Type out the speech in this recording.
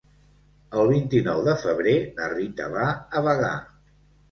El vint-i-nou de febrer na Rita va a Bagà.